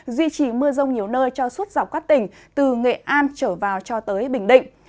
duy trì mưa rông nhiều nơi cho suốt dọc các tỉnh từ nghệ an trở vào cho tới bình định